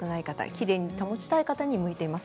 きれいに保ちたい方に向いています。